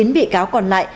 chín bị cáo còn lại